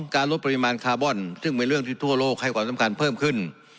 ลดปริมาณคาร์บอนซึ่งเป็นเรื่องที่ทั่วโลกให้ความสำคัญเพิ่มขึ้น